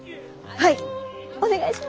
はい！